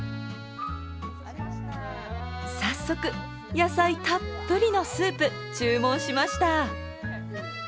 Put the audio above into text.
早速、野菜たっぷりのスープ注文しました。